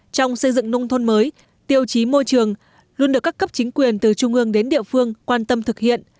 trong xây dựng nông thôn mới tiêu chí môi trường luôn được các cấp chính quyền từ trung ương đến địa phương quan tâm thực hiện